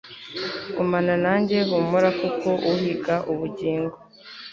Gumana nanjye humura kuko uhiga ubugingo